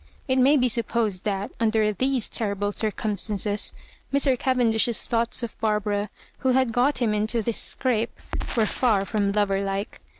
It may be supposed that, under these terrible cir cumstanceSi Mr. Cavendish's thoughts of Bar bara, who had got him into this scrape, were fax from lover like.